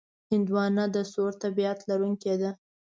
هندوانه د سوړ طبیعت لرونکې ده.